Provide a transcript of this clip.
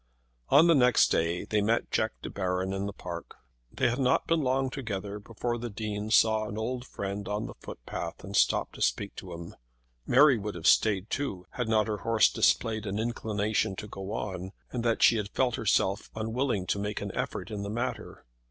On the next day they met Jack De Baron in the park. They had not been long together before the Dean saw an old friend on the footpath and stopped to speak to him. Mary would have stayed too, had not her horse displayed an inclination to go on, and that she had felt herself unwilling to make an effort in the matter.